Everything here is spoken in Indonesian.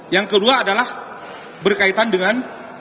yang kedua adalah berkaitan dengan